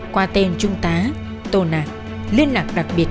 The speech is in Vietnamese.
qua tên trung tá tô nạn liên lạc đặc biệt